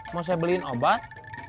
mau saya beliin obat